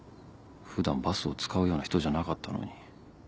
普段バスを使うような人じゃなかったのに。